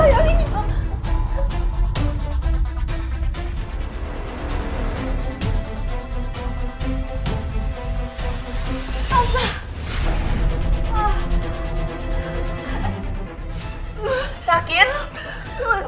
lo yang menjelitkan gue kayak begini